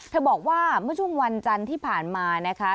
บอกว่าเมื่อช่วงวันจันทร์ที่ผ่านมานะคะ